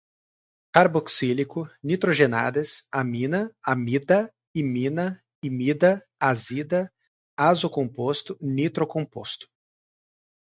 carboxílico, nitrogenadas, amina, amida, imina, imida, azida, azocomposto, nitrocomposto